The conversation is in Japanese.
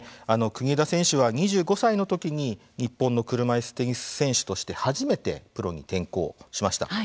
国枝選手は２５歳のときに日本の車いすテニス選手として初めてプロに転向しました。